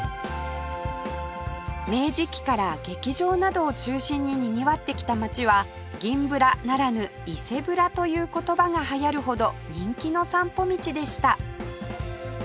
明治期から劇場などを中心ににぎわってきた街は「銀ブラ」ならぬ「イセブラ」という言葉が流行るほど人気の散歩道でした